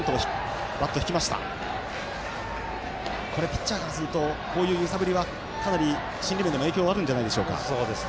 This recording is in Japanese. これピッチャーからするとこういう揺さぶりはかなり心理面でも影響あるんじゃないでしょうか。